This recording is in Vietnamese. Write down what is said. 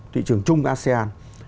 thị trường chung asean